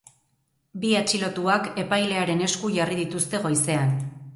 Bi atxilotuak epailearen esku jarri dituzte goizean.